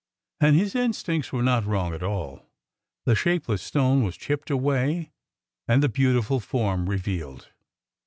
And his instincts were not wrong after all. The shapeless stone was chipped away and the beautiful form revealed.